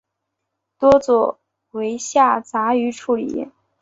多做为下杂鱼处理。